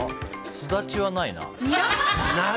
スダチはないな。